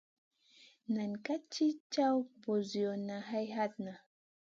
Nam ká gi caw ɓosiyona hay hatna.